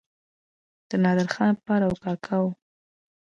د نادرخان پلار او کاکا وو.